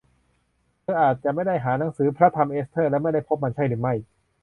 เธออาจจะไม่ได้หาหนังสือพระธรรมเอสเทอร์ และไม่ได้พบมันใช่หรือไม่